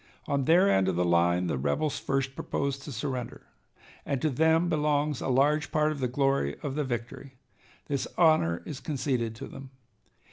On their end of the line the rebels first proposed to surrender, and to them belongs a large part of the glory of the victory. This honor is conceded to them.